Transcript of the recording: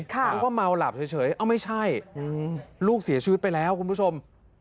นึกว่าเมาหลับเฉยเอ้าไม่ใช่ลูกเสียชีวิตไปแล้วคุณผู้ชม